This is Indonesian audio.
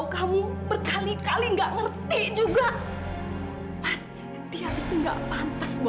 kamu gak pantes